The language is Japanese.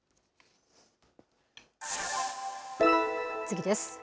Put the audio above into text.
次です。